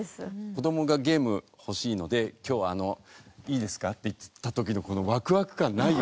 子供がゲーム欲しいので今日いいですか？って言った時のこのワクワク感ないよね。